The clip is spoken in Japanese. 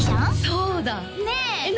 そうだねえ